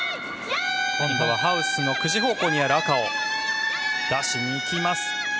今度はハウスの９時方向の赤を出しにいきます。